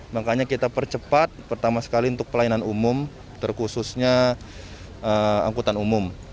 makanya kita percepat pertama sekali untuk pelayanan umum terkhususnya angkutan umum